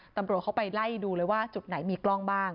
ตำรวจเขาไปไล่ดูเลยว่าจุดไหนมีกล้องบ้าง